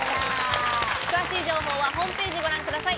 詳しい情報はホームページをご覧ください。